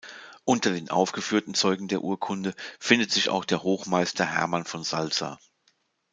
Unter den aufgeführten Zeugen der Urkunde findet sich auch der Hochmeister Hermann von Salza.